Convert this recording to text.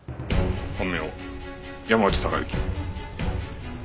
本名山内貴之。